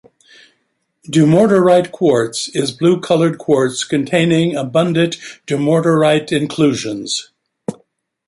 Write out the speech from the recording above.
"Dumortierite quartz" is blue colored quartz containing abundant dumortierite inclusions.